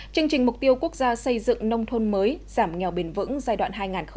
chương trình mục tiêu quốc gia xây dựng nông thôn mới giảm nghèo bền vững giai đoạn hai nghìn hai mươi một hai nghìn hai mươi